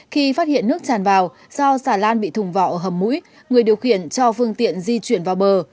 khi phát hiện nước chàn vào do xà lan bị thùng vọ hầm mũi người điều khiển cho phương tiện di chuyển vào bờ